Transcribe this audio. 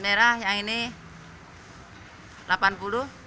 merah yang ini rp delapan puluh